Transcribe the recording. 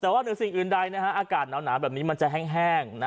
แต่ว่าเหนือสิ่งอื่นใดอากาศหนาวแบบนี้มันจะแห้ง